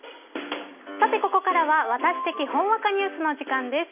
さて、ここからはワタシ的ほんわかニュースの時間です。